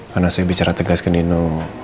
karena saya bicara tegas ke nino